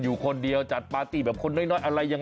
แต่ที่เต้นเลย